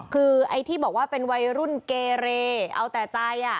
คือไอ้ที่บอกว่าเป็นวัยรุ่นเกเรเอาแต่ใจ